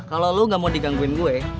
kalo lu gak mau digangguin gue